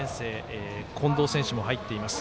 近藤選手も入っています。